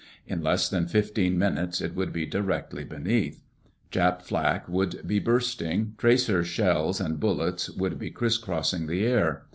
In less than fifteen minutes it would be directly beneath, Jap flak would be bursting; tracer shells and bullets would be criss crossing the air.